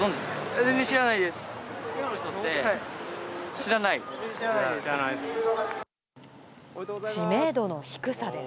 全然知らないです。